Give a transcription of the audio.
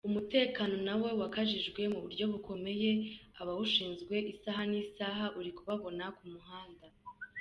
Umutekano nawo wakajijwe mu buryo bukomeye, abawushinzwe isaha n’isaha uri kubabona ku muhanda.